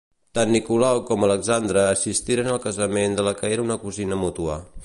Tant Nicolau com Alexandra assistiren al casament de la que era una cosina mútua.